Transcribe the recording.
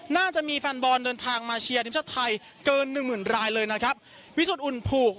น่าจะมีแฟนบอลเดินทางมาเชียร์ทีมชาติไทยเกินหนึ่งหมื่นรายเลยนะครับวิสุทธิอุ่นผูก